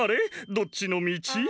どっちのみち？